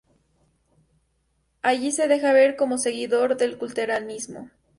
Allí se deja ver como seguidor del Culteranismo.